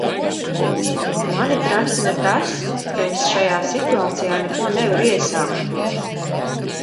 Mani tracina tas, ka es šajā situācijā neko nevaru iesākt.